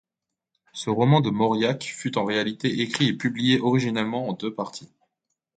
Ce roman de Mauriac fut en réalité écrit et publié originellement en deux parties.